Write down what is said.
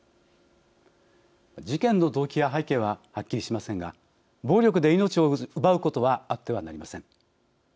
事件の動機や背景ははっきりしませんが暴力で命を奪うことはあってはなりません。